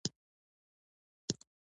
دا بدلون د فکر تحول ښيي.